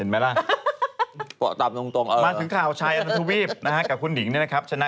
ไม่ต้องใส่แว่นเหมือนกันด้วยวะ